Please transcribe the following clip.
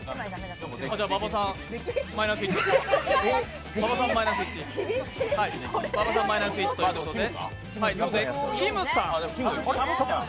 馬場さん、マイナス１ということで。